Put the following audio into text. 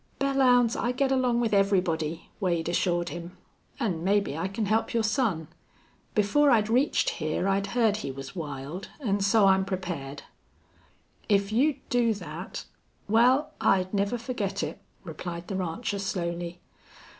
"Belllounds, I get along with everybody," Wade assured him. "An' maybe I can help your son. Before I'd reached here I'd heard he was wild, an' so I'm prepared." "If you'd do thet wal, I'd never forgit it," replied the rancher, slowly.